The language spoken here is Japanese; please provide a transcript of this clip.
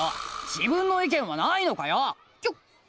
自分の意見はないのかよ！